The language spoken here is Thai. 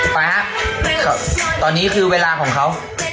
ไปครับตอนนี้คือเวลาของเขา